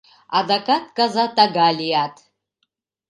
Адакат каза тага лият...